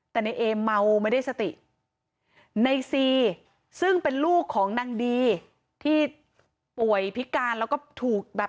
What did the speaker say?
แต่ในเอเมาไม่ได้สติในซีซึ่งเป็นลูกของนางดีที่ป่วยพิการแล้วก็ถูกแบบ